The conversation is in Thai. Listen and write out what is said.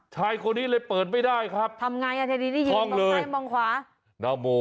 เฉพาะคนนี้เลยเปิดไม่ได้ครับ